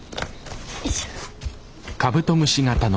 よいしょ。